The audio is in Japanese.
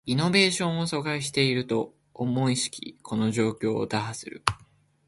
イノベーションを阻害していると思しきこの状況を打破する